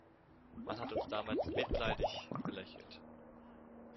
Man hat uns damals mitleidig belächelt.